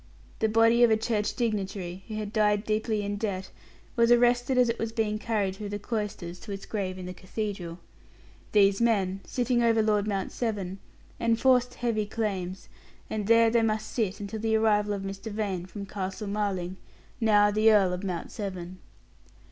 The body of a church dignitary, who had died deeply in debt, was arrested as it was being carried through the cloisters to its grave in the cathedral. These men, sitting over Lord Mount Severn, enforced heavy claims; and there they must sit until the arrival of Mr. Vane from Castle Marling now the Earl of Mount Severn.